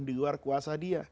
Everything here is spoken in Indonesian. diluar kuasa dia